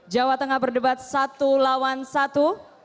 jawa tengah berdebat satu lawan satu